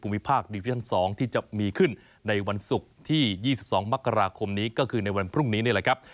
ภาคดิวิชั่น๒ที่จะมีขึ้นในวันศุกร์ที่๒๒มกราคมนี้ก็คือในวันพรุ่งนี้นี่แหละครับ